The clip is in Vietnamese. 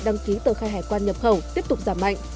đăng ký tờ khai hải quan nhập khẩu tiếp tục giảm mạnh